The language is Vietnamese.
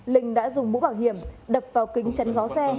linh đã dùng mũ bảo hiểm đập vào kính chắn gió xe